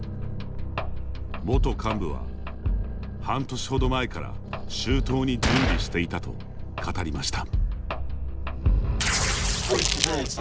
元幹部は、半年ほど前から周到に準備していたと語りました。